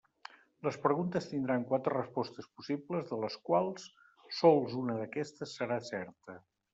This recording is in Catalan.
Les preguntes tindran quatre respostes possibles, de les quals sols una d'aquestes serà certa.